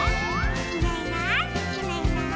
「いないいないいないいない」